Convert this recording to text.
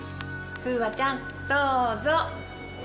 楓空ちゃん、どうぞ。